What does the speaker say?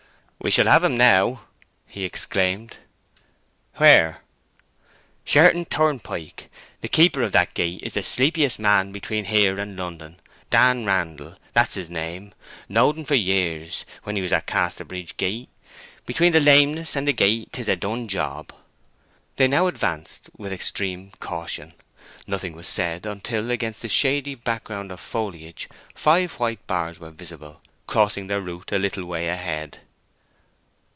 "We shall have him now!" he exclaimed. "Where?" "Sherton Turnpike. The keeper of that gate is the sleepiest man between here and London—Dan Randall, that's his name—knowed en for years, when he was at Casterbridge gate. Between the lameness and the gate 'tis a done job." They now advanced with extreme caution. Nothing was said until, against a shady background of foliage, five white bars were visible, crossing their route a little way ahead.